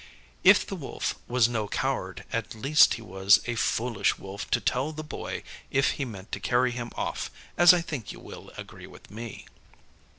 If the Wolf was no coward, at least he was a foolish Wolf to tell the Boy if he meant to carry him off, as I think you will agree with me.